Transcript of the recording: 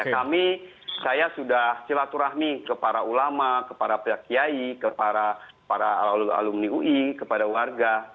kami saya sudah silaturahmi ke para ulama kepada pihak kiai kepada para alumni ui kepada warga